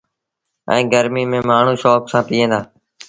ائيٚݩ گرميٚ ميݩ مآڻهوٚٚݩ شوڪ سآݩ پئيٚن دآ۔